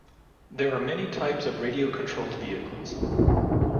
There are many types of radio controlled vehicles.